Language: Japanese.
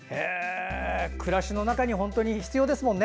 暮らしの中に本当に必要ですもんね